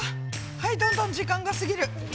はいどんどん時間が過ぎる。